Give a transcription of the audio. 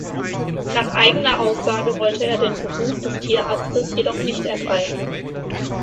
Nach eigener Aussage wollte er den Beruf des Tierarztes jedoch nicht ergreifen.